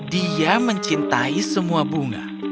dia mencintai semua bunga